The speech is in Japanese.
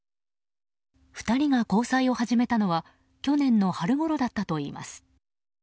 ２人が交際を始めたのは去年の春ごろだったといいます。